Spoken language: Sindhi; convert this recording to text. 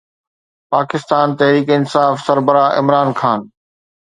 پاڪستان تحريڪ انصاف سربراهه عمران خان